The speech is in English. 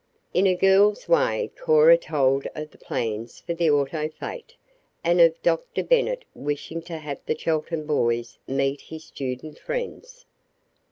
In a girl's way Cora told of the plans for the auto fete, and of Dr. Bennet wishing to have the Chelton boys meet his student friends.